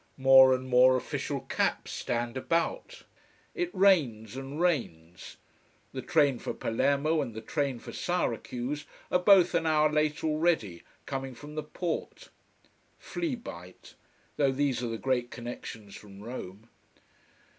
More and more official caps stand about. It rains and rains. The train for Palermo and the train for Syracuse are both an hour late already, coming from the port. Flea bite. Though these are the great connections from Rome.